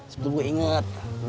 sebetulnya gue inget